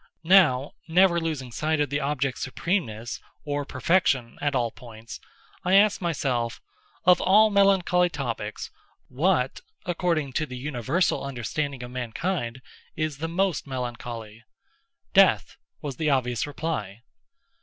Now, never losing sight of the object supremeness, or perfection, at all points, I asked myself—"Of all melancholy topics, what, according to the universal understanding of mankind, is the most melancholy?" Death—was the obvious reply.